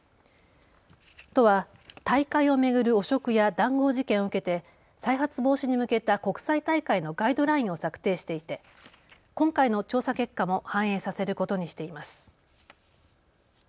都は大会を巡る汚職や談合事件を受けて再発防止に向けた国際大会のガイドラインを策定していて今回の調査結果も反映させることにしています。